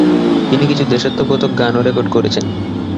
তিনি কিছু দেশাত্মবোধক গানও রেকর্ড করেছেন।